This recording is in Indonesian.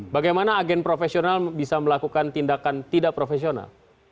bagaimana agen profesional bisa melakukan tindakan tidak profesional